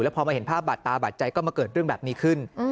พอมาเห็นภาพบาดตาบาดใจก็มาเกิดเรื่องแบบนี้ขึ้น